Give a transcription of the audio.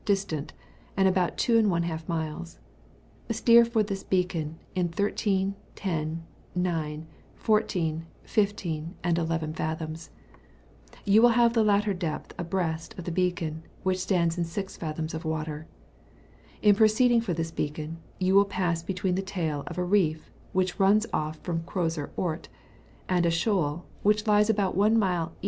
distant about 2^ miles : steer for this beacon in 13, 10, 9, 14, 15, and 11 fathoms; you will have the latter depth abreast of the beacon, which stands in 6 fathoms water. In proceeding for this beacon, you will pass between the tail of a reef which runs ofl* &om Eroser Ort, and a shoal which lies about one mile E.